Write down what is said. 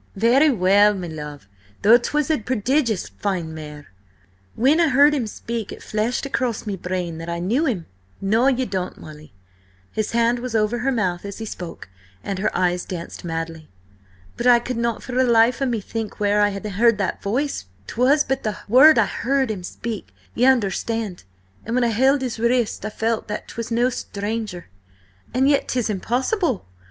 "Very well, me love, though 'twas a prodigious fine mare–When I heard him speak, it flashed across me brain that I knew him–no, ye don't, Molly!" His hand was over her mouth as he spoke, and her eyes danced madly. "But I could not for the life of me think where I had heard that voice: 'twas but the one word I heard him speak, ye understand, and when I held his wrists I felt that 'twas no stranger. And yet 'tis impossible.